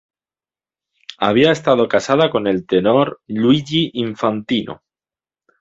Había estado casada con el tenor Luigi Infantino.